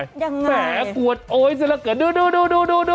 ยังไงแหมกวดโอ๊ยซะละกันดู